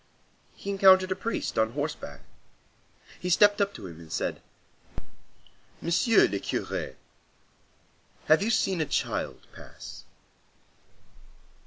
He encountered a priest on horseback. He stepped up to him and said:— "Monsieur le Curé, have you seen a child pass?"